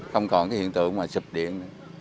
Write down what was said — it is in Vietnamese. hiện tại cũng là sụp điện